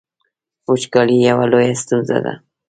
وچکالي یوه لویه ستونزه ده